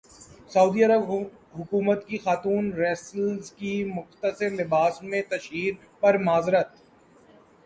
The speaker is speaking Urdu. سعودی عرب حکومت کی خاتون ریسلر کی مختصر لباس میں تشہیر پر معذرت